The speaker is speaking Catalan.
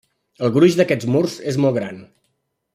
El gruix d'aquests murs és molt gran.